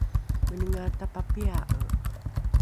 menenga tapapia’e